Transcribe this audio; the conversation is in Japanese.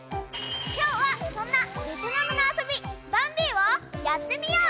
今日はそんなベトナムの遊びバン・ビーをやってみよう。